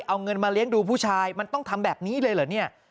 เอาเงินมาเลี้ยงดูผู้ชายมันต้องทำแบบนี้เลยเหรอเนี่ย